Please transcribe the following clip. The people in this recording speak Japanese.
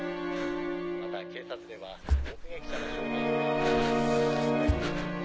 また警察では目撃者の。